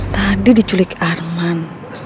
tadi diculik arman